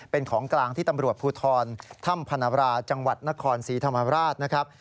เป็นของกลางที่ตำรวจภูทรถ้ำพนบราจังหวัดนครศรีธรรมราชนะครับ